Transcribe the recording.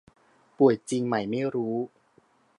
ป่วยจริงไหมไม่รู้